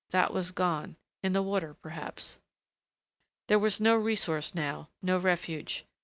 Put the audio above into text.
That was gone ... in the water, perhaps.... There was no resource, now, no refuge....